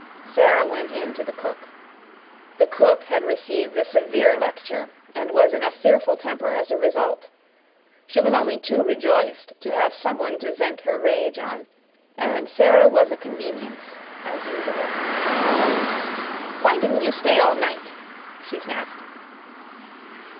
Sara went in to the cook. The cook had received a severe lecture and was in a fearful temper as a result. She was only too rejoiced to have someone to vent her rage on, and Sara was a convenience, as usual. "Why didn't you stay all night?" she snapped.